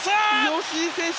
吉井選手